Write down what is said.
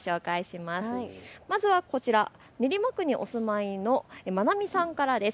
まずはこちら、練馬区のお住まいの愛海さんからです。